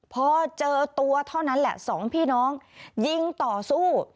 พอเจอตัวเท่านั้นแหละสองพี่น้องยิงต่อสู้